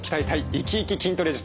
イキイキ筋トレ術」。